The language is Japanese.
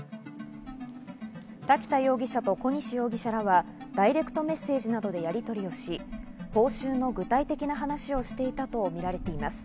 滝田容疑者と小西容疑者らはダイレクトメッセージなどでやりとりをし、報酬の具体的な話をしていたとみられています。